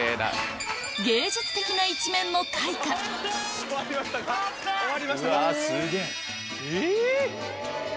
芸術的な一面も開花終わった！